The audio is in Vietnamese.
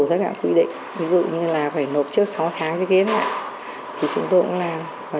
tất cả quy định ví dụ như là phải nộp trước sáu tháng cho ghép lại thì chúng tôi cũng làm và